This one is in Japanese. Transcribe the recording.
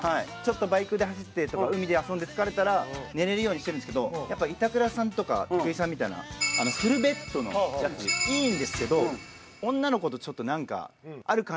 バイクで走ってとか海で遊んで疲れたら寝れるようにしてるんですけどやっぱ板倉さんとか徳井さんみたいなフルベッドのやついいんですけど女の子とちょっとなんかあるかな？